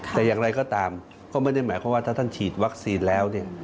แต่อย่างไรก็ตามก็ไม่ได้หมายความว่าถ้าท่านฉีดวัคซีนแล้วเนี่ย